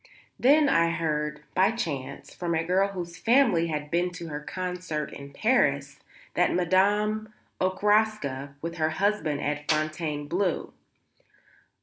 Then I heard, by chance, from a girl whose family had been to her concert in Paris, that Madame Okraska was with her husband at Fontainebleau.